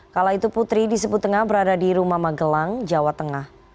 kala itu putri disebut tengah berada di rumah magelang jawa tengah